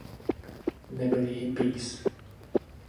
Nebyli hippies.